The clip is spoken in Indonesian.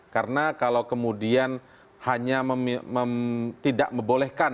karena kalau kemudian hanya tidak membolehkan